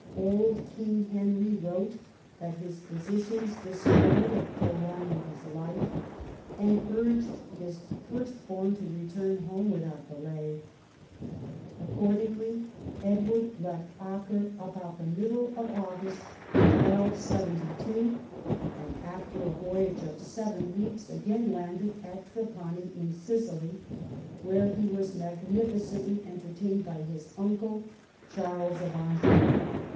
Old King Henry wrote that his physicians despaired of pro longing his life, and urged his first born to return home without delay. Accordingly Edward left Acre about the middle of August 1272, and after a voyage of seven weeks again landed at Trapani in Sicily, where he was magnifi cently entertained by his uncle, Charles of Anjou.